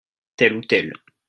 Tel ou tel.